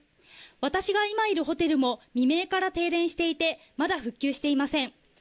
私が今いるホテルも未明から停電していて、まだ復旧していません。